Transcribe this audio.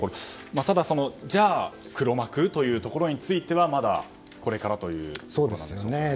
ただ、じゃあ黒幕というところについてはまだこれからということなんですよね。